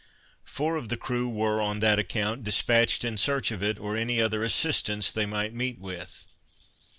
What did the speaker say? Four of the crew were on that account, dispatched in search of it, or any other assistance they might meet with.